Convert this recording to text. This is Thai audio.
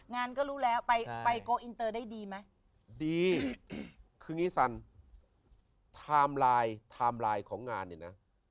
งานก็รู้แล้วไปไปได้ดีไหมดีคืองี้สันของงานเนี้ยนะ